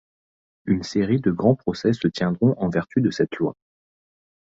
Une série de grands procès se tiendront en vertu de cette loi.